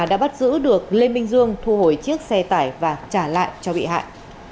đã bắt giữ được lê minh dương thu hồi chiếc xe tải và trả lại cho bị hại